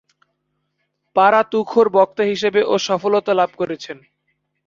পারা তুখোড় বক্তা হিসেবে ও সফলতা লাভ করেছেন।